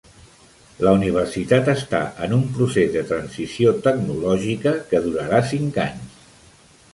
La universitat està en un procés de transició tecnològica que durarà cinc anys.